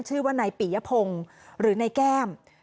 ชื่อว่านายปิยพงศ์หรือนายแก้ม